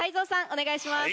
お願いします。